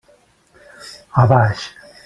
A baix.